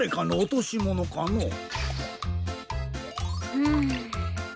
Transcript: うん。